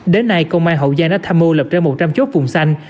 đến nay công an hậu giang đã tham mưu lập ra một trăm linh chốt vùng xanh